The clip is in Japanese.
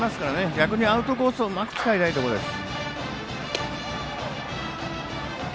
逆にアウトコースをうまく使いたいところです。